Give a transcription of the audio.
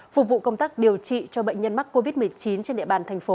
phục vụ công tác điều trị cho bệnh nhân mắc covid một mươi chín trên địa bàn thành phố